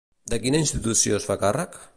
De quina institució es fa càrrec?